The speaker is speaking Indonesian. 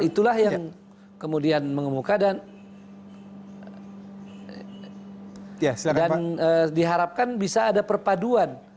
itulah yang kemudian mengemuka dan diharapkan bisa ada perpaduan